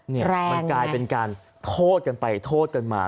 นี่มันกลายเป็นการโทษกันไปโทษกันมา